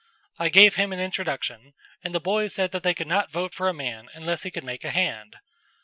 I gave him an introduction, and the boys said that they could not vote for a man unless he could make a hand.